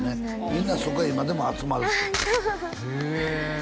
みんなそこへ今でも集まるってああそうへえ